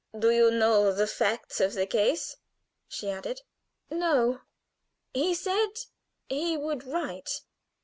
"Do you know the facts of the case?" she added. "No; he said he would write."